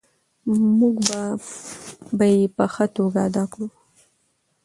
موږ به یې په ښه توګه ادا کړو.